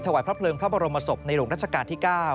วายพระเพลิงพระบรมศพในหลวงรัชกาลที่๙